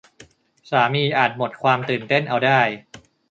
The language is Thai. สามีอาจหมดความตื่นเต้นเอาได้